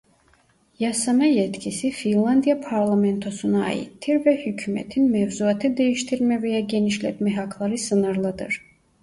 Yasama yetkisi Finlandiya Parlamentosu'na aittir ve hükûmetin mevzuatı değiştirme veya genişletme hakları sınırlıdır.